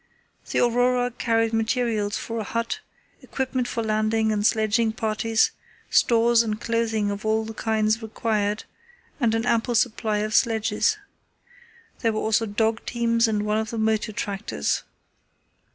The Aurora carried materials for a hut, equipment for landing and sledging parties, stores and clothing of all the kinds required, and an ample supply of sledges. There were also dog teams and one of the motor tractors.